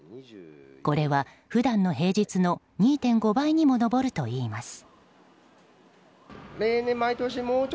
これは、普段の平日の２．５倍にも上るといいます。